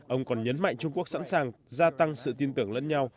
ông còn nhấn mạnh trung quốc sẵn sàng gia tăng sự tin tưởng lẫn nhau